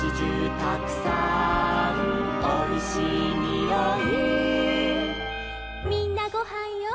たくさんおいしいにおい」「みんなごはんよ」